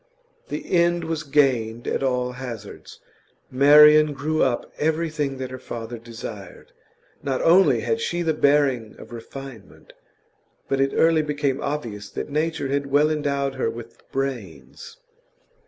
The end was gained at all hazards. Marian grew up everything that her father desired. Not only had she the bearing of refinement, but it early became obvious that nature had well endowed her with brains.